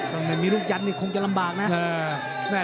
ถ้าไม่มีลูกยันคงจะลำบากนะ